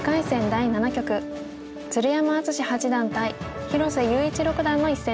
第７局鶴山淳志八段対広瀬優一六段の一戦です。